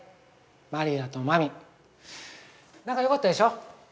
マリアとまみ仲よかったでしょ？